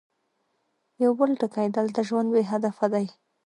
يو بل ټکی، دلته ژوند بې هدفه دی.